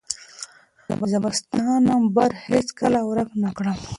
زه به ستا نمبر هیڅکله ورک نه کړم.